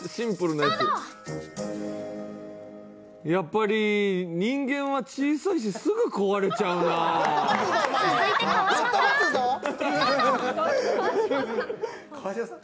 やっぱり人間は小さいしすぐ壊れちゃうなあ。